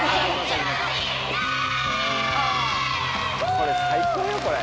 これ最高よこれ。